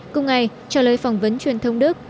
cùng ngày trả lời phỏng vấn truyền thông đức